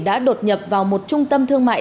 đã đột nhập vào một trung tâm thương mại